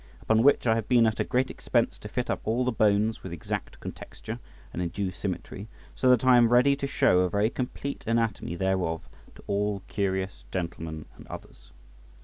Upon which I have been at a great expense to fit up all the bones with exact contexture and in due symmetry, so that I am ready to show a very complete anatomy thereof to all curious gentlemen and others.